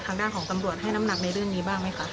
ทางด้านของตำรวจให้น้ำหนักในเรื่องนี้บ้างไหมคะ